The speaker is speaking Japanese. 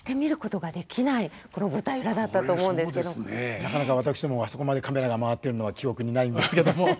なかなか私どもはあそこまでカメラが回ってるのは記憶にないんですけども。